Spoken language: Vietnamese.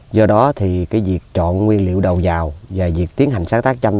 do đó thì cái việc chọn nguyên liệu đầu vào và việc tiến hành sáng tác tranh